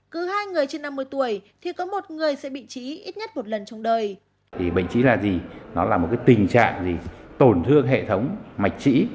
cứ hai người trên năm mươi tuổi thì có một người sẽ bị trí ít nhất một lần trong đời trĩ